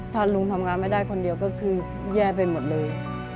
ถ้าลุงทำงานไม่ได้คนเดียวก็คือแย่ไปหมดเลย